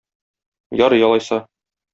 Ярый алайса.